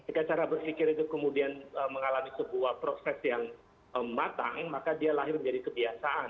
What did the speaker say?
jika cara berpikir itu kemudian mengalami sebuah proses yang matang maka dia lahir menjadi kebiasaan